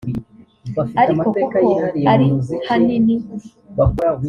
ariko kuko ari hanini